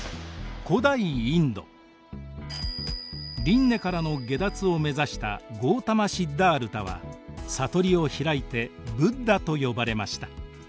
輪廻からの解脱を目指したガウタマ・シッダールタは悟りを開いてブッダと呼ばれました。